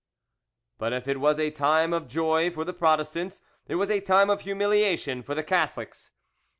But if it was a time of joy for the Protestants, it was a time of humiliation for the Catholics.